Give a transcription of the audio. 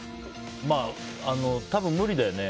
まあ多分、無理だよね。